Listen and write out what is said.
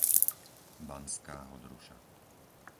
Banská Hodruša